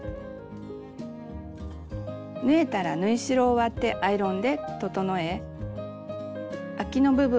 縫えたら縫い代を割ってアイロンで整えあきの部分は